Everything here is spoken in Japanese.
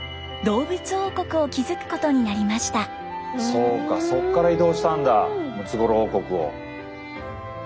そうかそっから移動したんだムツゴロウ王国を。